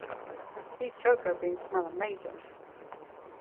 These cocoa beans smell amazing!